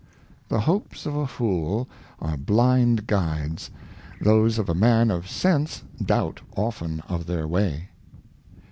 The Hopes of a Fool are blind Guides, those of a Man of Sense doubt often of their Way.